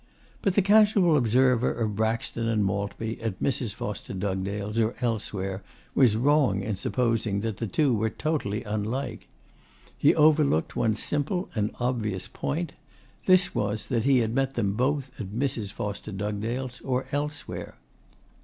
But the casual observer of Braxton and Maltby at Mrs. Foster Dugdale's or elsewhere was wrong in supposing that the two were totally unlike. He overlooked one simple and obvious point. This was that he had met them both at Mrs. Foster Dugdale's or elsewhere.